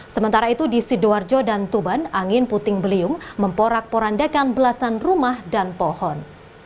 sementara itu di sidoarjo dan tuban angin puting beliung memporak porandakan belasan rumah dan pohon